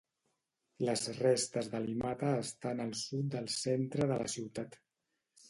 Les restes de Limata estan al sud del centre de la ciutat.